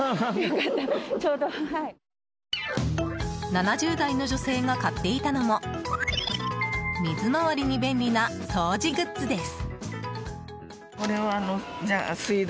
７０代の女性が買っていたのも水回りに便利な掃除グッズです。